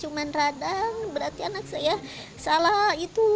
cuma radang berarti anak saya salah gitu